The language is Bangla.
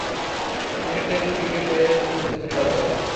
তিনি টেস্ট ক্রিকেটের প্রথম সেঞ্চুরি করার গৌরব লাভ করেন।